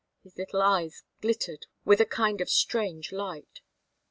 His little eyes glittered with a kind of strange light.